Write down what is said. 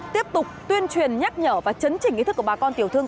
tiếp tục tuyên truyền nhắc nhở và chấn chỉnh ý thức của bà con tiểu thương